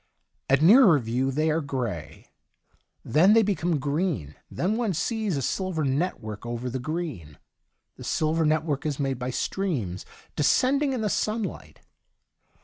At nearer view they are gi*ay, then they become green, then one sees a silver network over the green. The silver network is made by streams descending in the sunlight.